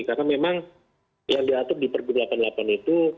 karena memang yang diatur di perjalanan delapan puluh delapan itu